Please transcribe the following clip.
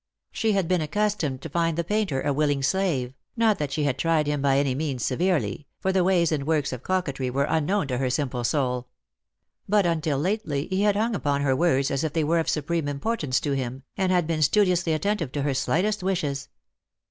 She had been accustomed to find the painter a willing slave, not that she had tried him by any means severely, for the ways and works of coquetry were unknown to her simple soul. But until lately he had hung upon her words as if they were of supreme importance to him, and had been studiously attentive to her slightest wishes.